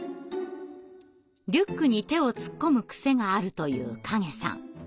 リュックに手を突っ込む癖があるというｋａｇｅｓａｎ。